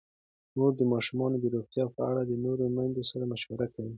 مور د ماشومانو د روغتیا په اړه د نورو میندو سره مشوره کوي.